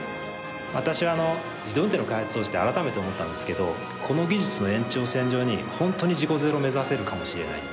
私あの自動運転の開発をして改めて思ったんですけどこの技術の延長線上に本当に事故ゼロ目指せるかもしれないって